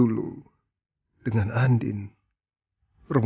aku demikian bakalsn queen